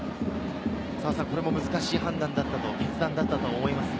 これも難しい判断だと、決断だったと思いますが。